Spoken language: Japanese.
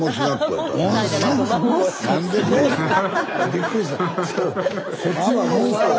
びっくりした。